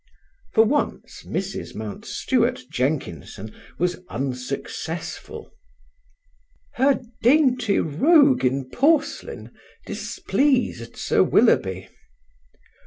For once Mrs. Mountstuart Jenkinson was unsuccessful. Her "dainty rogue in porcelain" displeased Sir Willoughby.